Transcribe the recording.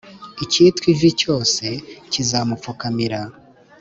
icyitwa ivi cyose kizamfukamira,